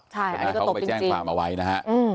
ใช่อันนี้ก็ตบจริง